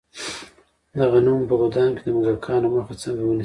د غنمو په ګدام کې د موږکانو مخه څنګه ونیسم؟